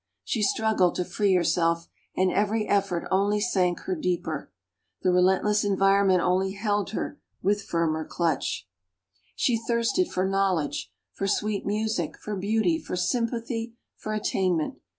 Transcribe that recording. She struggled to free herself, and every effort only sank her deeper. The relentless environment only held her with firmer clutch. She thirsted for knowledge, for sweet music, for beauty, for sympathy, for attainment.